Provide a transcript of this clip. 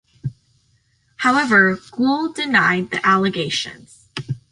However, Gul denied the allegations.